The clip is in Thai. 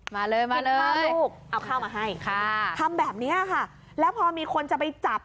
มาเลยมาเลยฆ่าลูกเอาข้าวมาให้ค่ะทำแบบนี้ค่ะแล้วพอมีคนจะไปจับ